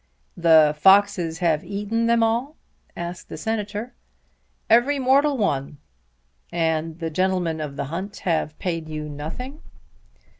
"The foxes have eaten them all?" asked the Senator. "Every mortal one." "And the gentlemen of the hunt have paid you nothing."